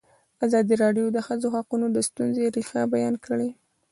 ازادي راډیو د د ښځو حقونه د ستونزو رېښه بیان کړې.